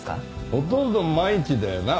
ほとんど毎日だよな。